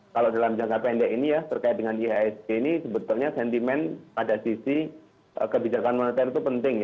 kalau dalam jangka pendek ini ya terkait dengan ihsg ini sebetulnya sentimen pada sisi kebijakan moneter itu penting